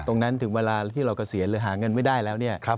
ถึงเวลาที่เราเกษียณหรือหาเงินไม่ได้แล้วเนี่ย